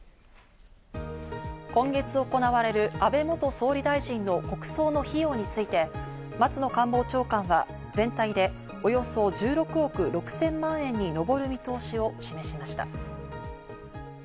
今月行われる安倍元総理大臣の国葬の費用について、松野官房長官が全体でおよそ１６億６０００万円にのぼる見通しを示しました。